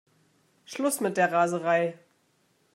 Schluss mit der Raserei!